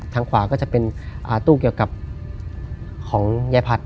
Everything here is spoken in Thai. ทางขวาก็จะเป็นตู้เกี่ยวกับของยายผัด